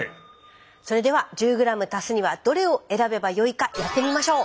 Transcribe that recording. それでは１０ｇ足すにはどれを選べばよいかやってみましょう。